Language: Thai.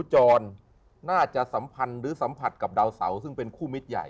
จรน่าจะสัมพันธ์หรือสัมผัสกับดาวเสาซึ่งเป็นคู่มิตรใหญ่